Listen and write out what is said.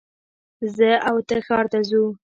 زه او ته ښار ته ځو